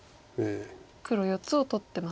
黒４つを取ってますね。